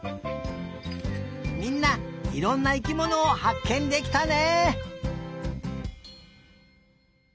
みんないろんな生きものをはっけんできたね！